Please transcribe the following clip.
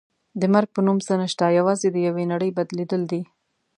د مرګ په نوم څه نشته یوازې د یوې نړۍ بدلېدل دي.